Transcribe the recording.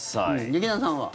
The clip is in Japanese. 劇団さんは？